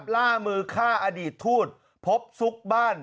ล่ามือฆ่าอดีตทูตพบซุกบ้าน